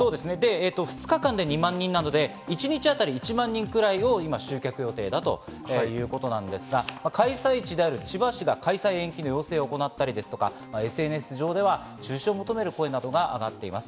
２日間で２万人なので、一日１万人ほどの収容ということですが、開催地である千葉市が開催延期の要請を行ったりＳＮＳ上では中止を求める声が上がるなど、波紋が広がっています。